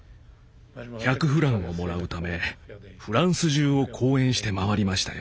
１００フランをもらうためフランス中を講演して回りましたよ。